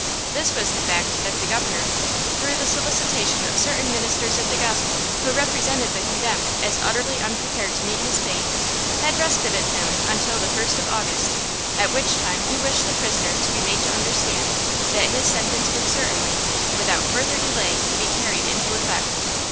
This was the fact that the Governor, through the solicitation of certain ministers of the gospel who represented the condemned as utterly unprepared to meet his fate, had respited him until the first of August, at which time he wished the prisoner to be made to understand that his sentence would certainly, without further delay, be carried into effect.